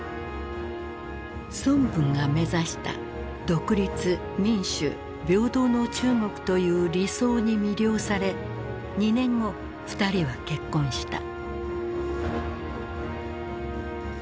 孫文が目指した「独立民主平等の中国」という理想に魅了され２年後２人は結婚した。